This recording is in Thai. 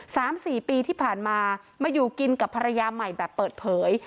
สามสี่ปีที่ผ่านมามาอยู่กินกับภรรยาใหม่แบบเปิดเผย